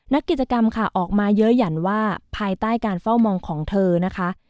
นักกิจกรรมค่ะออกมาเยอะหยั่นว่าภายใต้การเฝ้ามองของเธอนะคะ